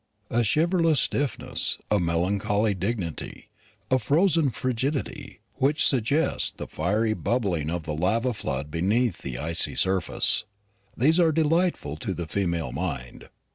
A chivalrous stiffness, a melancholy dignity, a frozen frigidity, which suggest the fiery bubbling of the lava flood beneath the icy surface, these are delightful to the female mind.